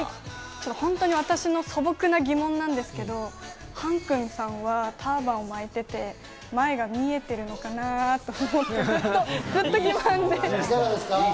本当に私の素朴な疑問なんですけど、ＨＡＮ−ＫＵＮさんはターバンを巻いていて、前が見えてるのかなぁっと思って、ずっと疑問で。